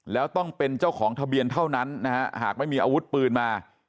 แล้วต้องเป็นเจ้าของทะเบียนเท่านั้นนะฮะหากไม่มีอาวุธปืนมา